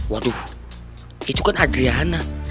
waduh itu kan adriana